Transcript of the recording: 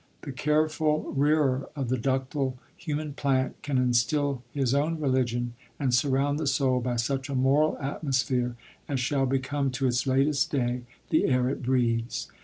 The careful rearer of the ductile human plant can instil his own religion, and surround tin soul by such a moral atmosphere, as shall be come to its latest day the air it breathes.